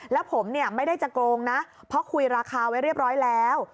แล้วผมเนี่ยไม่ได้จะโกงนะเพราะคุยราคาไว้เรียบร้อยแล้ว